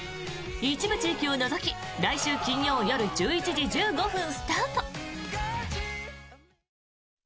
一部地域を除き、来週金曜夜１１時１５分スタート。